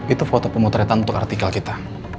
itu foto pemotretan untuk artikel kita